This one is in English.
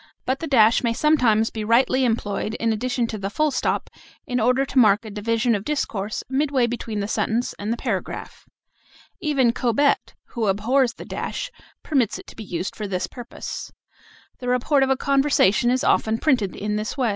But the dash may sometimes be rightly employed in addition to the full stop, in order to mark a division of discourse midway between the sentence and the paragraph. Even Cobbett, who abhors the dash, permits it to be used for this purpose. The report of a conversation is often printed in this way. BRACKETS (OR THE PARENTHESIS.) L.